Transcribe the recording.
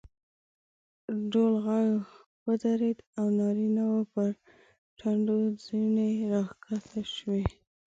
ډول غږ ودرېد او نارینه وو پر ټنډو څڼې راکښته شوې.